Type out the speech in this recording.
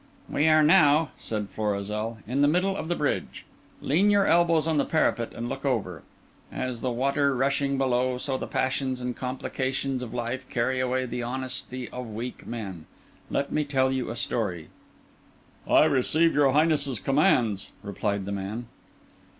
"We are now," said Florizel, "in the middle of the bridge. Lean your elbows on the parapet and look over. As the water rushing below, so the passions and complications of life carry away the honesty of weak men. Let me tell you a story." "I receive your Highness's commands," replied the man.